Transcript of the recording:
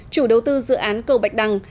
chủ đầu tư dự án cầu bạch đằng